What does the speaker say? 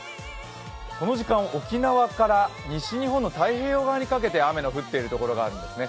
この時間沖縄から西日本の太平洋側にかけて雨の降っているところがあるんですね。